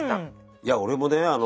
いや俺もね